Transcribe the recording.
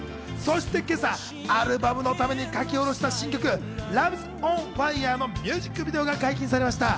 そして今朝、アルバムのために書き下ろした新曲、『ＬＯＶＥ’ＳＯＮＦＩＲＥ』のミュージックビデオが解禁されました。